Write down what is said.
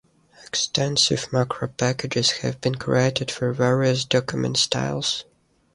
Extensive macro packages have been created for various document styles.